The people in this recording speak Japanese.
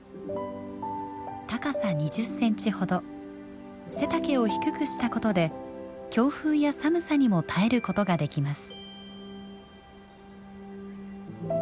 高さ２０センチほど背丈を低くしたことで強風や寒さにも耐えることができます。